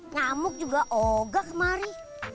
ngamuk juga ogak mari